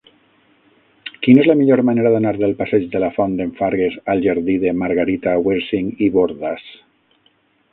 Quina és la millor manera d'anar del passeig de la Font d'en Fargues al jardí de Margarita Wirsing i Bordas?